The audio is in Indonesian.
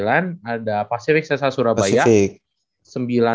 ada pasifik sesa surabaya